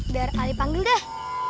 pak pak pak pak